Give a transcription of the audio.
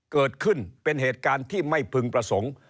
เกิดขึ้นเป็นเหตุการณ์ที่ไม่พึงประสงค์